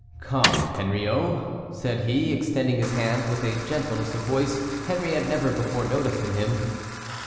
"Come, Henriot," said he, extending his hand with a gentleness of voice Henry had never before noticed in him.